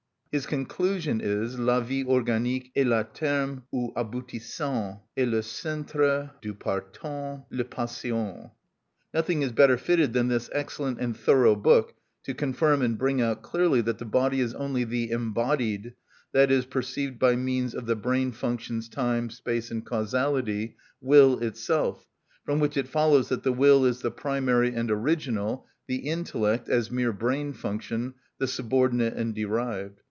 His conclusion is: "La vie organique est le terme où aboutissent, et le centre d'où partent les passions." Nothing is better fitted than this excellent and thorough book to confirm and bring out clearly that the body is only the embodied (i.e., perceived by means of the brain functions, time, space, and causality) will itself, from which it follows that the will is the primary and original, the intellect, as mere brain function, the subordinate and derived.